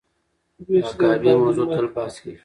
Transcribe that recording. د حقابې موضوع تل بحث کیږي.